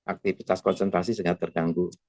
aktivitas konsentrasi sangat terganggu